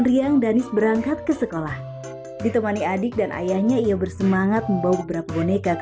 ini buat teman teman di lombok